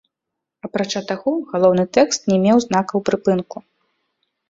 Апрача таго, галоўны тэкст не меў знакаў прыпынку.